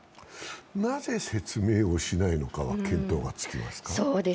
なぜ説明をしないのかは見当がつかない。